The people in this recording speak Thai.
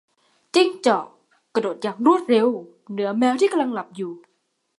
จิ้งจอก กระโดดอย่างรวดเร็ว เหนือแมวที่กำลังหลับอยู่